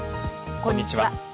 こんにちは。